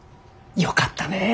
よかったねえ。